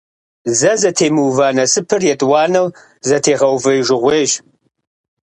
Зэ зэтемыува насыпыр етӀуанэу зэтегъэувэжыгъуейщ.